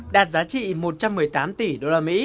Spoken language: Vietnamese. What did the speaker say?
đạt giá trị một trăm một mươi tám tỷ usd